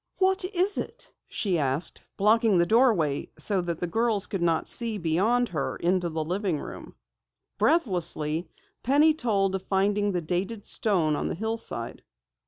"What is it?" she asked, blocking the doorway so that the girls could not see beyond her into the living room. Breathlessly, Penny told of finding the dated stone on the hillside.